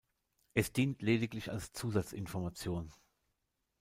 Es dient lediglich als Zusatzinformation.